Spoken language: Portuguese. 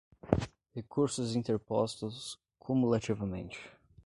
recursos interpostos, cumulativamente.